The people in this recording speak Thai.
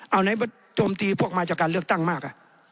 เอาไหนโจมตีพวกมาจากการเลือกตั้งมาก